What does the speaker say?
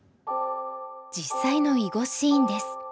実際の囲碁シーンです。